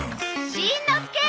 しんのすけ！